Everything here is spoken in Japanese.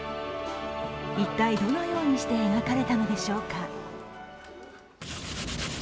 一体、どのようにして描かれたのでしょうか。